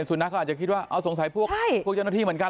สุนัขก็อาจจะคิดว่าสงสัยพวกเจ้าหน้าที่เหมือนกัน